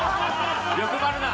欲張るな！